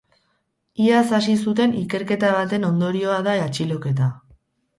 Iaz hasi zuten ikerketa baten ondorioa da atxiloketa.